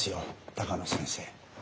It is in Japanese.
鷹野先生。